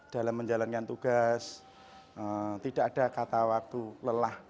dalam menjalankan tugas tidak ada kata waktu lelah